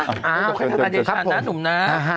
โอเคน่าเดชานนะนุ่มน่า